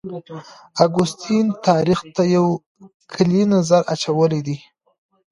اګوستین تاریخ ته یو کلی نظر اچولی دی.